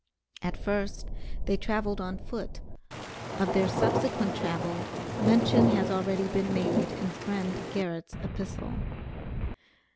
At first, they traveled on foot; of their subsequent travel, mention has already been made in friend Garrett's epistle.